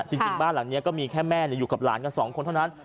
จริงบ้านหลังนี้ก็มีแค่แม่อยู่กับหลานกันสองคนเท่านั้น